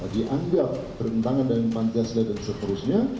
dianggap terhentangan dari pancasila dan seterusnya